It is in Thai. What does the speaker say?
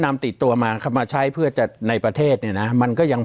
ติดตัวมามาใช้เพื่อจะในประเทศเนี่ยนะมันก็ยัง